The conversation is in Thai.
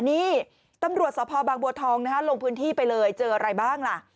นี่ตำรวจสภบางบัวทองนะฮะลงพื้นที่ไปเลยเจออะไรบ้างล่ะ